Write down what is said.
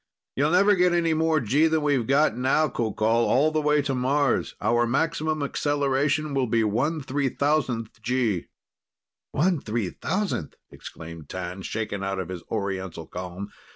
"You'll never get any more G than we've got now, Qoqol, all the way to Mars. Our maximum acceleration will be 1/3,000th G." "One three thousandth?" exclaimed T'an, shaken out of his Oriental calm.